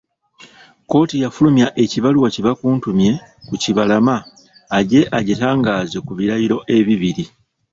Kkooti yafulumya ekibaluwa kibakuntumye ku Kibalama ajje agitangaaze ku birayiro ebibiri.